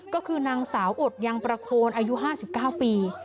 ก็คือนางสาวอดยังประโคนอายุ๕๙ปี